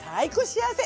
幸せ！